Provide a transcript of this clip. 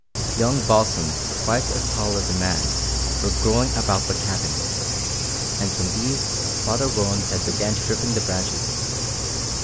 Young balsams twice as tall as a man were growing about the cabin, and from these Father Roland began stripping the branches.